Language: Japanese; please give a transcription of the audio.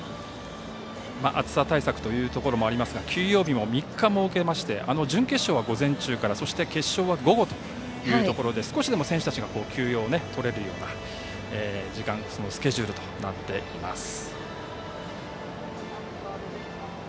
暑さ対策もありますが休養日も３日設けまして準決勝は午前中から決勝は午後というところで少しでも選手たちが休養を取れるような時間そのスケジュールとなっています。